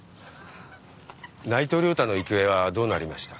内藤良太の行方はどうなりました？